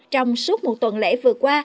trong suốt một tuần lễ vừa qua